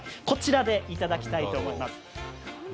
こちらでいただきたいと思います。